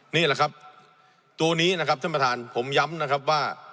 นี่แหละครับตัวนี้นะครับท่านประธานผมย้ำนะครับว่า